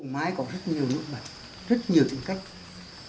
mãi có rất nhiều nước mặt rất nhiều tính cách